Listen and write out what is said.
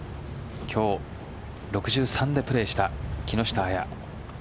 今日、６３でプレーした木下彩。